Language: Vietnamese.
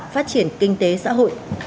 phát triển kinh tế xã hội